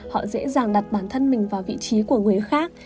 họ dễ dàng đặt bản thân mình vào vị trí của người khác